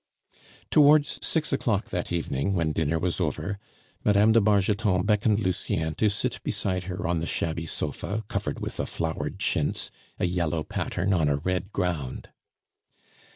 Towards six o'clock that evening, when dinner was over, Mme. de Bargeton beckoned Lucien to sit beside her on the shabby sofa, covered with a flowered chintz a yellow pattern on a red ground.